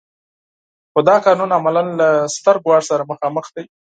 خو دا قانون عملاً له ستر ګواښ سره مخامخ دی.